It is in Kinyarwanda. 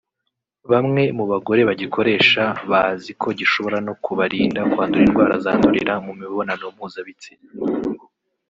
bamwe mu bagore bagikoresha bazi ko gishobora no kubarinda kwandura indwara zandurira mu mibonano mpuzabitsinda